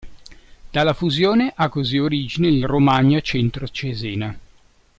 Dalla fusione ha così origine il Romagna Centro Cesena.